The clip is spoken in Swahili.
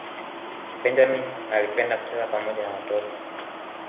benjamini alipenda kucheza pamoja na watoto